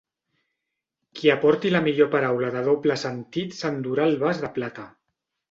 Qui aporti la millor paraula de doble sentit s'endurà el vas de plata.